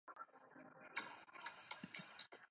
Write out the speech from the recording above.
结果由同属自由党的杨哲安胜出。